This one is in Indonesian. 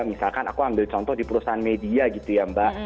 misalkan aku ambil contoh di perusahaan media gitu ya mbak